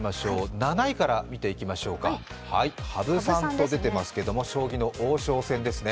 ７位から見ていきましょうか、羽生さんと出ていますが将棋の王将戦ですね。